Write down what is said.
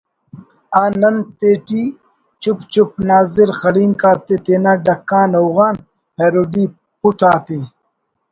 آ نن تے ٹی چُپ چُپ ناظرؔ خڑینک آتے تینا ڈکّان ہوغان پیروڈی پُٹ آتے